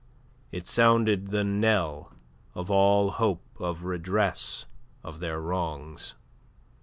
It sounded the knell of all hope of redress of their wrongs.